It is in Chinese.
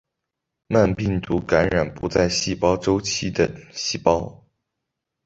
慢病毒感染不在细胞周期的细胞。